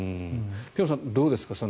辺さん、どうですか？